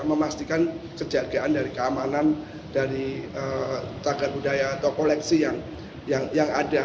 memastikan kejagaan dari keamanan dari tagar budaya atau koleksi yang ada